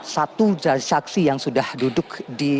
satu saksi yang sudah duduk di